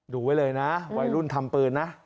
ดูไว้เลยนะวัยรุ่นทำปืนนะ